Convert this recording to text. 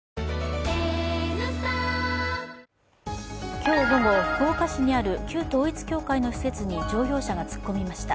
今日午後、福岡市にある旧統一教会の施設に乗用車が突っ込みました。